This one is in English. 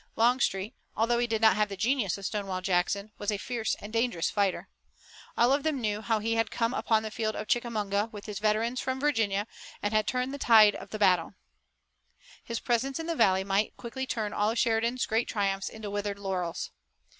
Longstreet, although he did not have the genius of Stonewall Jackson, was a fierce and dangerous fighter. All of them knew how he had come upon the field of Chickamauga with his veterans from Virginia, and had turned the tide of battle. His presence in the valley might quickly turn all of Sheridan's great triumphs into withered laurels.